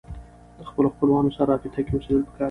د خپلو خپلوانو سره رابطه کې اوسېدل پکار يي